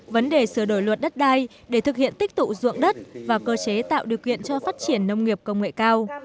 vấn đề sửa đổi luật đất đai để thực hiện tích tụ ruộng đất và cơ chế tạo điều kiện cho phát triển nông nghiệp công nghệ cao